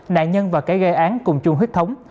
nạn nhân và cái gai án cùng chung huyết thống